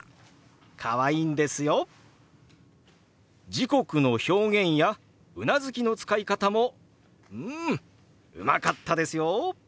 時刻の表現やうなずきの使い方もうんうまかったですよ！